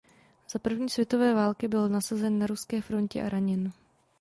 Za první světové války byl nasazen na ruské frontě a raněn.